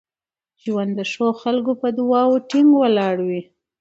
ژوند د ښو خلکو په دعاوو ټینګ ولاړ وي.